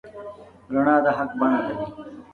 رڼا د حق بڼه لري.